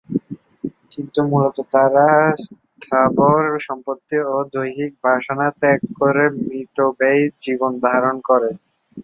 কিন্তু মূলত তারা স্থাবর সম্পত্তি ও দৈহিক বাসনা ত্যাগ করে মিতব্যয়ী জীবন ধারণ করে।